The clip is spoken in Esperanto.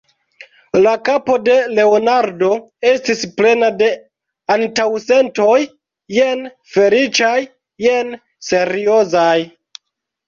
La kapo de Leonardo estis plena de antaŭsentoj, jen feliĉaj, jen seriozaj.